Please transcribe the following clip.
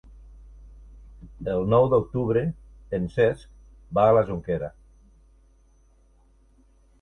El nou d'octubre en Cesc va a la Jonquera.